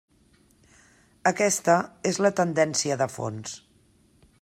Aquesta és la tendència de fons.